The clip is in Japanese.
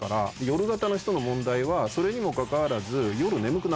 夜型の人の問題はそれにもかかわらず。